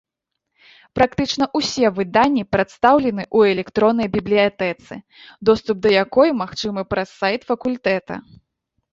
Практычна ўсе выданні прадстаўлены ў электроннай бібліятэцы, доступ да якой магчымы праз сайт факультэта.